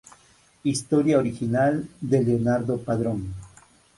Historia original de Leonardo Padrón.